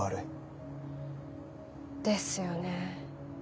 ですよね。